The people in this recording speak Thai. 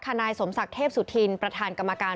นายสมศักดิ์เทพสุธินประธานกรรมการ